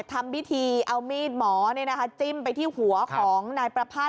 ทำพิธีเอามีดหมอจิ้มไปที่หัวของนายประภาษณ